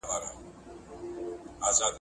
کارخانې څنګه د کیفیت کنټرول ساتي؟